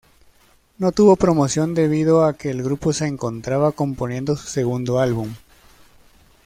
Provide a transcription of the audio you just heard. No tuvo promoción debido a que el grupo se encontraba componiendo su segundo álbum.